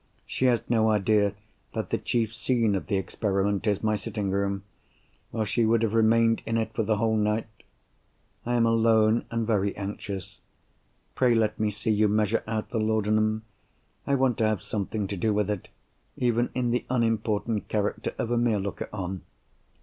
She has no idea that the chief scene of the experiment is my sitting room—or she would have remained in it for the whole night! I am alone, and very anxious. Pray let me see you measure out the laudanum; I want to have something to do with it, even in the unimportant character of a mere looker on.